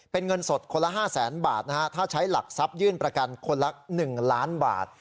เป็นเงินสดคนละ๕แสนบาทนะฮะถ้าใช้หลักทรัพยื่นประกันคนละ๑ล้านบาท